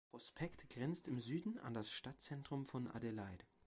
Prospect grenzt im Süden an das Stadtzentrum von Adelaide.